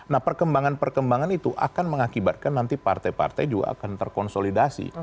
nah perkembangan perkembangan itu akan mengakibatkan nanti partai partai juga akan terkonsolidasi